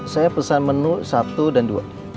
saya pesan menu satu dan dua